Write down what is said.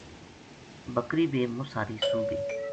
بکری بے مُساری سُو گئی